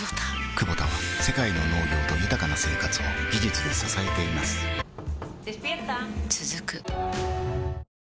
クボタは世界の農業と豊かな生活を技術で支えています起きて。